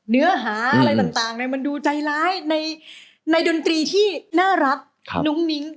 เนื้อหาอะไรต่างมันดูใจร้ายในดนตรีที่น่ารักนุ้งนิ้ง